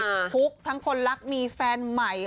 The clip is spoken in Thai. ทั้งติดทุกทั้งคนรักมีแฟนใหม่